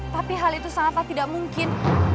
tapi hal itu sangatlah tidak mungkin